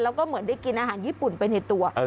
แล้วก็เหมือนได้กินอาหารญี่ปุ่นไปในตัว